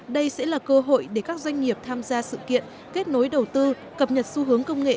đây sẽ là cơ hội để các doanh nghiệp tham gia sự kiện kết nối đầu tư cập nhật xu hướng công nghệ